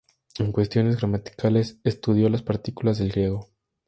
En cuestiones gramaticales estudió las partículas del griego.